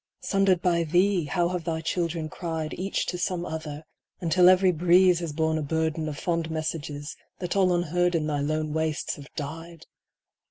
Sundered by thee how have thy children cried Each to some other, until every breeze Has borne a burden of fond messages That all unheard in thy lone wastes have died